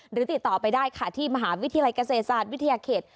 หรือติดต่อไปได้ค่ะที่มหาวิทยาลัยเกษตรวิทยาเขต